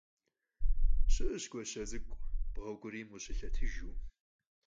Şı'eş guaşe ts'ık'u, bğeuk'uriyme khışılhetıjju.